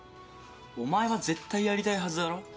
お前は絶対やりたいはずだろ？